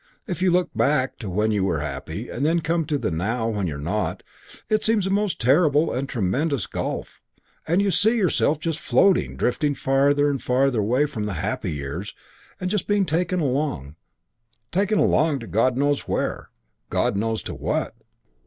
If you look back to when you were happy and then come to the now when you're not, it seems a most terrible and tremendous gulf and you see yourself just floating drifting farther and farther away from the happy years and just being taken along, taken along, to God knows where, God knows to what."